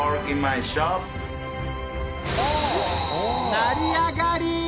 成り上がり！